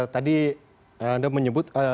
tadi anda menyebut